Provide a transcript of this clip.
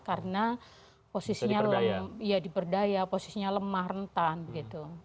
karena posisinya diperdaya posisinya lemah rentan gitu